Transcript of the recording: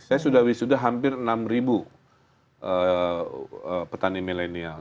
saya sudah wisuda hampir enam ribu petani milenial